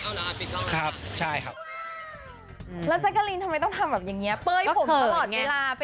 ทางอาฟิตทางออฟิตครับ